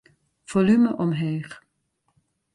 Folume omheech.